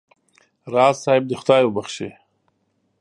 راز صاحب دې خدای وبخښي.